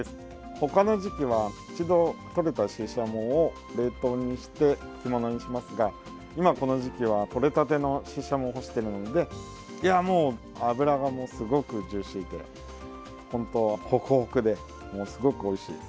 ほかの時期は一度とれたシシャモを冷凍にして干物にしますが、今、この時期はとれたてのシシャモを干しているので脂がすごくジューシーでホクホクで、すごくおいしいです。